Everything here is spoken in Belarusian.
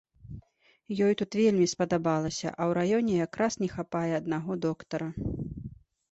Ёй тут вельмі спадабалася, а ў раёне якраз не хапае аднаго доктара.